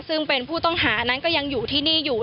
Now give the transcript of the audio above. ซึ่งเป็นผู้ต้องหานั้นก็ยังอยู่ที่นี่อยู่